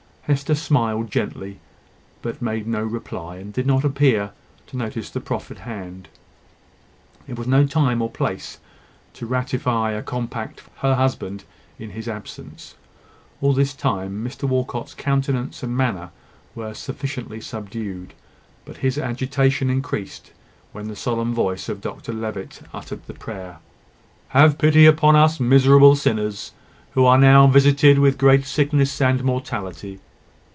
Hester smiled gently, but made no reply, and did not appear to notice the proffered hand. It was no time or place to ratify a compact for her husband in his absence. All this time, Mr Walcot's countenance and manner were sufficiently subdued: but his agitation increased when the solemn voice of Dr Levitt uttered the prayer "Have pity upon us, miserable sinners, who now are visited with great sickness and mortality."